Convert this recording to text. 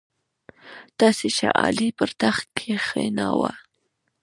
تاسي شاه عالم پر تخت کښېناوه.